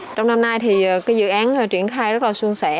trong năm nay thì cái dự án triển khai rất là xuân sẻ